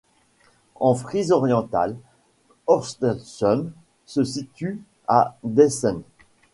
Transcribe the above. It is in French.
En Frise orientale, Ochtersum se situe à d'Esens.